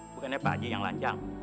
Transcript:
bukannya pakji yang lancang